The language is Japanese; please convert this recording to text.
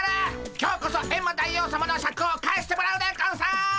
今日こそエンマ大王さまのシャクを返してもらうでゴンス！